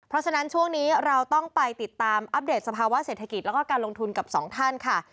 เพราะฉะนั้นช่วงนี้เราต้องไปติดตามอัปเดตสภาวะเศรษฐกิจแล้วก็การลงทุนกับสองท่านค่ะ